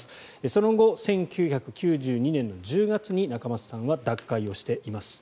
その後、１９９２年の１０月に仲正さんは脱会をしています。